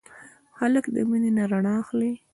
هلک له مینې نه رڼا اخلي.